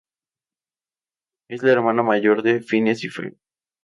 Es la hermana mayor de Phineas y Ferb.